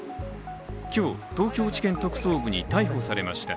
今日、東京地検特捜部に逮捕されました。